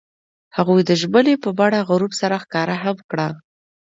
هغوی د ژمنې په بڼه غروب سره ښکاره هم کړه.